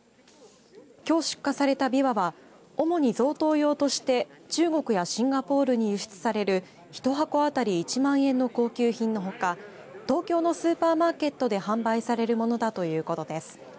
きょう出荷されたびわは主に贈答用として中国やシンガポールに輸出される１箱当たり１万円の高級品のほか東京のスーパーマーケットで販売されるものだということです。